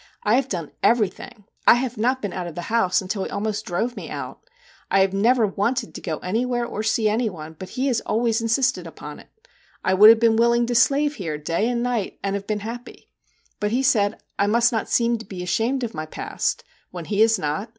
I have done everything I have not been out of the house until he almost drove me out. I have never wanted to go anywhere or see any one ; but he has always insisted upon it. I would have been willing to slave here, day and night, MR. JACK HAMLIN'S MEDIATION 19 and have been happy. But he said I must not seem to be ashamed of my past when he is not.